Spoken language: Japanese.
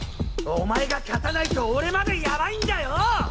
お前が勝たないと俺までヤバいんだよ！